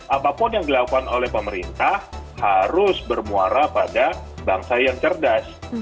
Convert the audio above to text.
apapun yang dilakukan oleh pemerintah harus bermuara pada bangsa yang cerdas